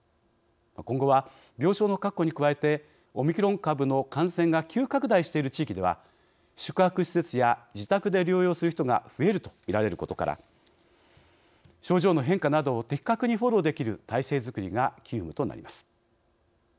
今後は病床の確保に加えてオミクロン株の感染が急拡大している地域では宿泊施設や自宅で療養する人が増えるとみられることから症状の変化などを的確にフォローできる体制づくりが急務となります。